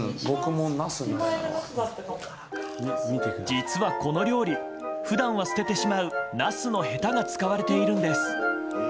実はこの料理普段は捨ててしまうナスのヘタが使われているんです。